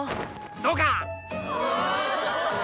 そうか！